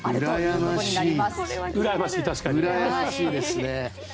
うらやましいですね。